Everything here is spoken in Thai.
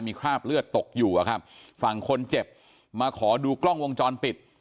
มีคราบเลือดตกอยู่อะครับฝั่งคนเจ็บมาขอดูกล้องวงจรปิด